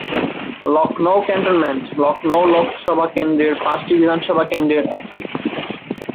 Lucknow cantonment, Lucknow Lok Sabha কেন্দ্রের পাঁচটি বিধানসভা কেন্দ্রের একটি।